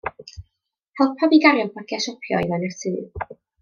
Helpa fi gario'r bagia siopio i fewn i'r tŷ.